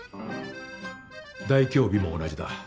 大凶日も同じだ。